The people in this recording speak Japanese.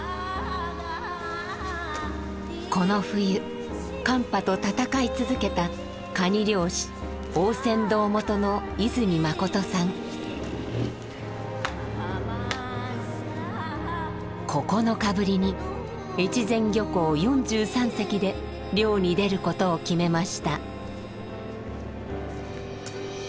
この冬寒波と闘い続けたカニ漁師大船頭元の９日ぶりに越前漁港４３隻で漁に出ることを決めました。